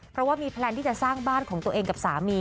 เพราะว่ามีแพลนที่จะสร้างบ้านของตัวเองกับสามี